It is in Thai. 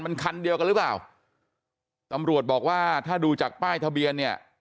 มันคันเดียวกันหรือเปล่าตำรวจบอกว่าถ้าดูจากป้ายทะเบียนเนี่ย